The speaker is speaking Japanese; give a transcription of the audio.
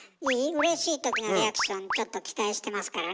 うれしい時のリアクションちょっと期待してますからね？